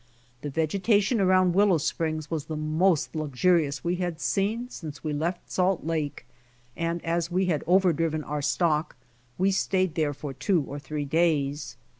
The vegetation around Willow springs was the most luxurious we had seen since we left Salt Lake, and as we had overdriven our stock, we stayed there for two or three days.